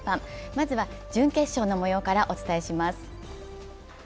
まずは準決勝のもようからお伝えします。